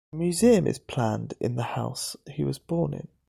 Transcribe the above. A museum is planned in the house he was born in.